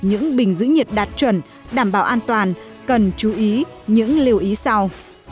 những bình giữ nhiệt đạt chuẩn đảm bảo an toàn cần chú ý những lưu ý sau